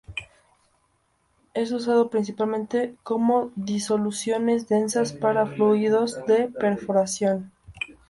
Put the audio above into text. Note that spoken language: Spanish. Es usado principalmente como disoluciones densas para fluidos de perforación.